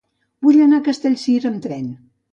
Vull anar a Castellcir amb tren.